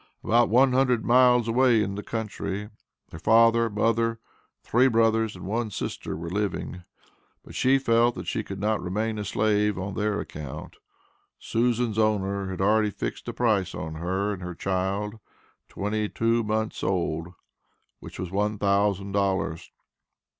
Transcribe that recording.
About one hundred miles away in the country, her father, mother, three brothers, and one sister were living; but she felt that she could not remain a slave on their account. Susan's owner had already fixed a price on her and her child, twenty two months old, which was one thousand dollars.